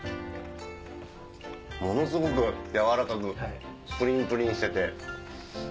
ものすごく軟らかくプリンプリンしてて。